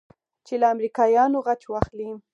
چې له امريکايانو غچ واخلې.